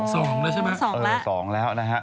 สองแล้วใช่ไหมเออสองแล้วนะฮะ